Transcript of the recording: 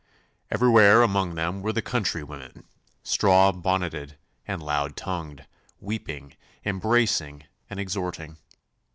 Everywhere among them were the country women, straw bonneted and loud tongued, weeping, embracing, and exhorting.